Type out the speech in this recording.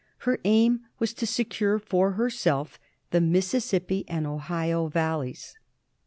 Her aim was to secure for herself the Mississippi and Ohio valleys.